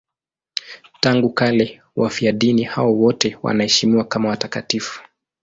Tangu kale wafiadini hao wote wanaheshimiwa kama watakatifu.